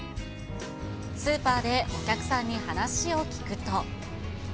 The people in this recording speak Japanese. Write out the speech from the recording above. スーパーでお客さんに話を聞くと。